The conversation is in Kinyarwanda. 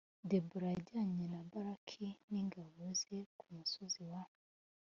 debora yajyanye na baraki n ingabo ze ku musozi wa